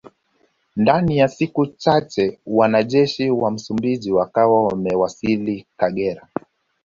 Ndani ya siku chache wanajeshi wa Msumbiji wakawa wamewasili Kagera